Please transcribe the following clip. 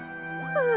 ああ。